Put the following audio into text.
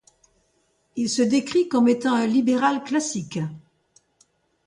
Il se décrit comme étant un libéral classique.